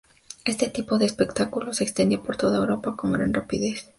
Este tipo de espectáculo se extendió por toda Europa con gran rapidez.